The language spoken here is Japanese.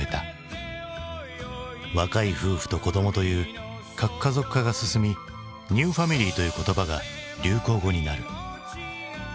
若い夫婦と子供という核家族化が進み「ニューファミリー」という言葉が流行語になる。